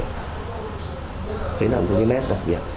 thế là một cái nét đặc biệt